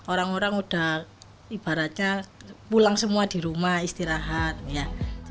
orang orang udah ibaratnya pulang semua di rumah istirahat ya